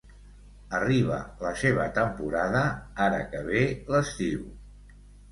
Arriba la seva temporada ara que ve l'estiu.